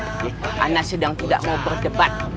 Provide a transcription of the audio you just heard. eh anda sedang tidak mau berdebat